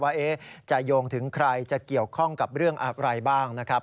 ว่าจะโยงถึงใครจะเกี่ยวข้องกับเรื่องอะไรบ้างนะครับ